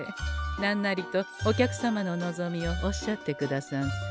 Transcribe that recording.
何なりとお客様の望みをおっしゃってくださんせ。